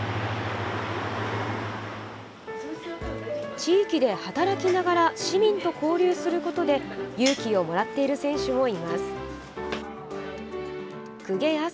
地域で働きながら市民と交流することで勇気をもらっている選手もいます。